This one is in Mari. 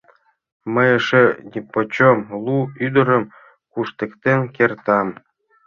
— Мый эше нипочём лу ӱдырым куштыктен кертам!